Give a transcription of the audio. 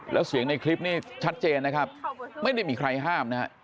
แล้วเสียงในคลิปนี้ชัดเจนนะครับไม่ได้มีใครห้ามนะฮะ